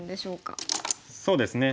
そうですね